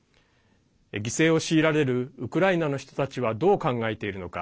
犠牲を強いられるウクライナの人たちはどう考えているのか。